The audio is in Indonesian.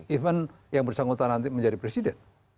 even yang bersangkutan nanti menjadi presiden